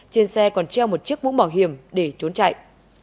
trên xe còn treo một chiếc mũ bảo hiểm để trốn chạy